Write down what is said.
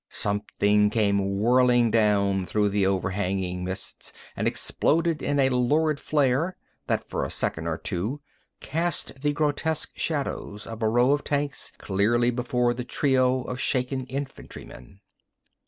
Something came whirling down through the overhanging mist and exploded in a lurid flare that for a second or two cast the grotesque shadows of a row of tanks clearly before the trio of shaken infantrymen.